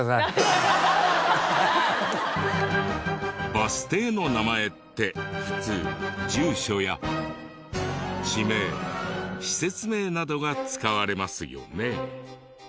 バス停の名前って普通住所や地名施設名などが使われますよね。